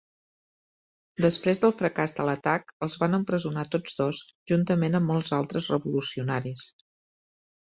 Després del fracàs de l'atac, els van empresonar tots dos juntament amb molts altres revolucionaris.